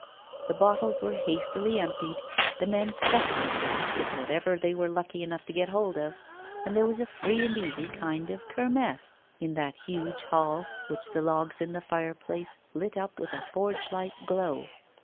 The bottles were hastily emptied, the men stuffed themselves with whatever they were lucky enough to get hold of, and there was a free and easy kind of Kermesse in that huge hall which the logs in the fireplace lit up with a forge like glow.